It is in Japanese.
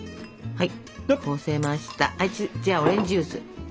はい。